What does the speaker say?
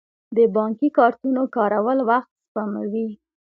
د بانکي کارتونو کارول وخت سپموي.